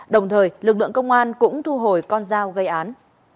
đồng thời lực lượng công an cũng thu hồi con dao gây án